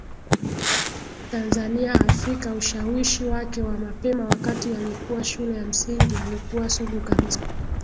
Tanzania Afrika Ushawishi wake wa mapema wakati alikuwa shule ya msingi alikuwa sugu kabisa